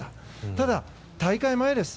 ただ、大会前です。